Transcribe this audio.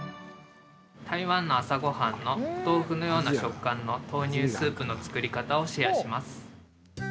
台湾の朝ごはん豆腐のような食感の豆乳スープの作り方をシェアします！